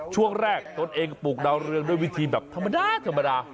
ช่วงแรกต้นเองปลูกดาวน์เรืองด้วยวิธีแบบธรรมดา